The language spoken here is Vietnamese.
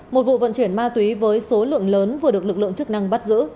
một vụ vận chuyển ma túy với số lượng lớn vừa được lực lượng chức năng bắt giữ